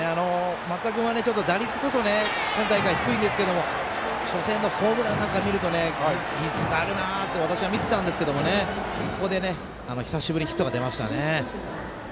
打率こそ今大会低いんですけれども初戦のホームランなんか見ると技術があるなと私は見ていたんですがここで久しぶりにヒットが出ましたね。